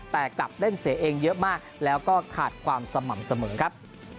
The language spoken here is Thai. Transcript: แต่กลับเล่นเสียเองเยอะมากแล้วก็ขาดความสม่ำเสมอครับ